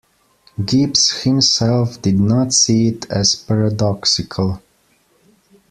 Gibbs himself did not see it as paradoxical.